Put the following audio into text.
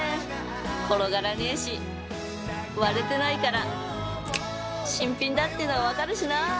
転がらねえし割れてないから新品だっての分かるしな！